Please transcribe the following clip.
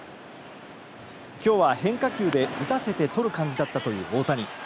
今日は変化球で打たせて取る感じだったという大谷。